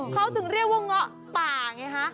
เขาถึงเรียกว่าเงาะป่าไงฮะ